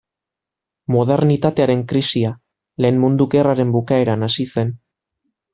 Modernitatearen krisia, Lehen Mundu Gerraren bukaeran hasi zen.